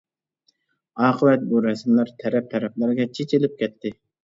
ئاقىۋەت بۇ رەسىملەر تەرەپ-تەرەپلەرگە چېچىلىپ كەتتى.